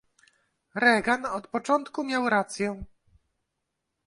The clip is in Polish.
Reagan od początku miał rację